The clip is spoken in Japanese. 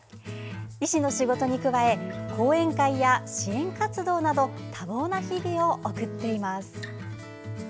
医師の仕事に加え講演会や支援活動など多忙な日々を送っています。